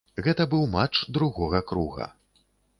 Гэта быў матч другога круга.